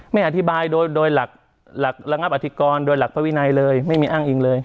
ไม่อธิบายโดยหลักระงับอธิกรโดยหลักพระวินัยเลยไม่มีอ้างอิงเลย